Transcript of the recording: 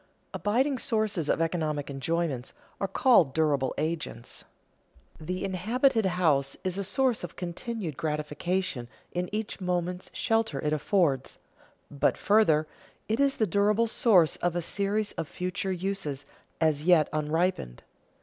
Abiding sources of economic enjoyments are called durable agents. The inhabited house is a source of continued gratification in each moment's shelter it affords; but, further, it is the durable source of a series of future uses, as yet unripened.